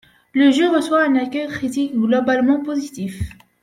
Le jeu reçoit un accueil critique globalement positif.